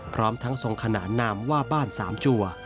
พร้อมทั้งทรงขนานนามว่าบ้านสามจัว